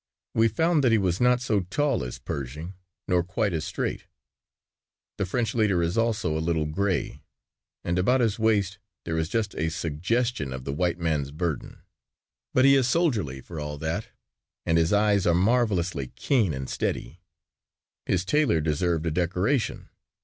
We found that he was not so tall as Pershing nor quite as straight. The French leader is also a little gray and about his waist there is just a suggestion of the white man's burden. But he is soldierly for all that and his eyes are marvelously keen and steady. His tailor deserved a decoration.